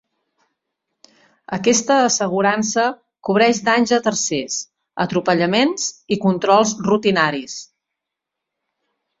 Aquesta assegurança cobreix danys a tercers, atropellaments i controls rutinaris.